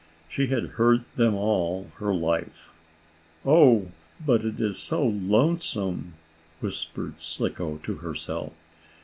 She had heard them all her life. "Oh, but it is so lonesome!" whispered Slicko to herself.